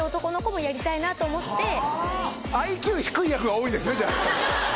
ＩＱ低い役が多いんですね。